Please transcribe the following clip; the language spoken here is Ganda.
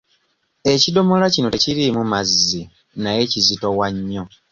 Ekidomola kino tekiriimu mazzi naye kizitowa nnyo.